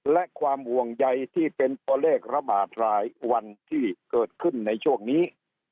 และความห่วงใยที่เป็นตัวเลขระบาดรายวันที่เกิดขึ้นในช่วงนี้